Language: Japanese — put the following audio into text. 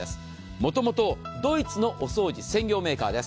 もともとドイツのお掃除専業メーカーです。